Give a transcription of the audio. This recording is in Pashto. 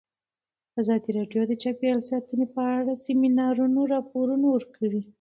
ازادي راډیو د چاپیریال ساتنه په اړه د سیمینارونو راپورونه ورکړي.